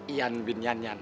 ian bin yanyan